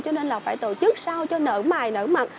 cho nên là phải tổ chức sao cho nở mài nở mặt